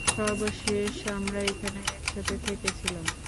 সর্বশেষ আমরা এখানেই একসাথে থেকেছিলাম।